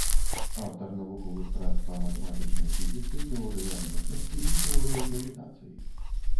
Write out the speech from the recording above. Аўтар навуковых прац па матэматычнай фізіцы, тэорыі адноснасці і тэорыі гравітацыі.